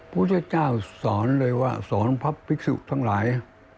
พุทธเจ้าสอนเลยว่าสอนพระภิกษุทั้งหลาย